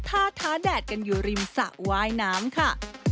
ท่าท้าแดดกันอยู่ริมสระว่ายน้ำค่ะ